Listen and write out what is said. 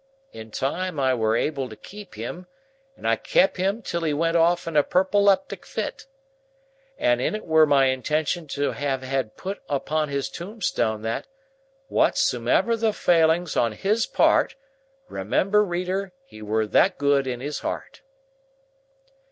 In time I were able to keep him, and I kep him till he went off in a purple leptic fit. And it were my intentions to have had put upon his tombstone that, Whatsume'er the failings on his part, Remember reader he were that good in his heart."